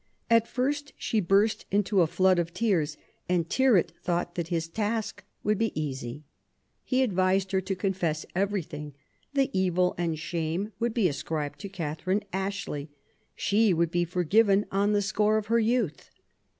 At first, she burst into a flood of tears, and Tyrwhit thought that his task would be easy. He advised her to confess everything ; the evil and shame would be ascribed to Catherine Ashley; she would be forgiven on the score of her youth.